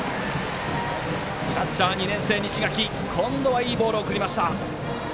キャッチャー、２年生の西垣今度はいいボールを送りました。